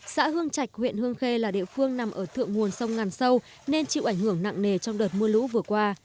xã hương trạch huyện hương khê là địa phương nằm ở thượng nguồn sông ngàn sâu nên chịu ảnh hưởng nặng nề trong đợt mưa lũ vừa qua